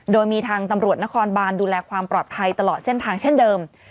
โดยมีทางตำรวจนครบานดูแลความปลอดภัยตลอดเส้นทางเช่นเดิม